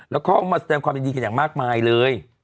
แล้วก็มาแสดงความยินดีกันอย่างมากมายเลย